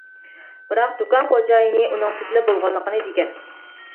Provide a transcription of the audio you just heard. بىراق دۇكان خوجايىنى ئۇنىڭ سېتىلىپ بولغانلىقىنى دېگەن.